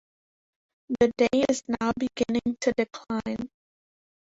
The day is now beginning to decline.